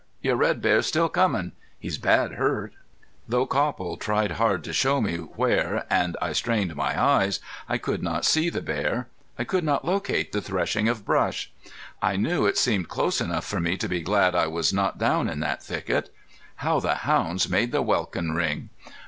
your red bear's still comin' ... He's bad hurt." Though Copple tried hard to show me where, and I strained my eyes, I could not see the bear. I could not locate the threshing of brush. I knew it seemed close enough for me to be glad I was not down in that thicket. How the hounds made the welkin ring!